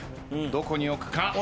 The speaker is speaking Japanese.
どこに置くか？